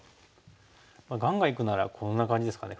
ガンガンいくならこんな感じですかね